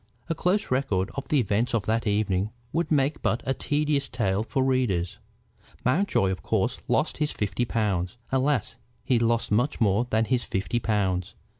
A close record of the events of that evening would make but a tedious tale for readers. Mountjoy of course lost his fifty pounds. Alas! he lost much more than his fifty pounds.